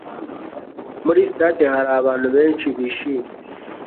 Muri stade hari abantu benshi bishimye.